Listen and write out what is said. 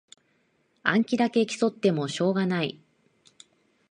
暗記だけ競ってもしょうがない